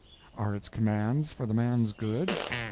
M. Are its commands for the man's good?